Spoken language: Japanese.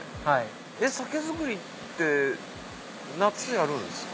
酒づくりって夏やるんですか？